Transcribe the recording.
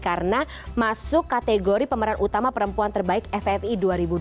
karena masuk kategori pemeran utama perempuan terbaik ffi dua ribu dua puluh satu